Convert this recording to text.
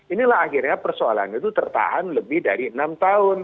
inilah akhirnya persoalan itu tertahan lebih dari enam tahun